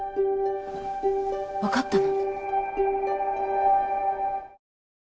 わかったの？